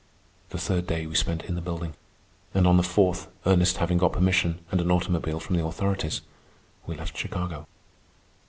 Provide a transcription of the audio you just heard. The third day we spent in the building, and on the fourth, Ernest having got permission and an automobile from the authorities, we left Chicago.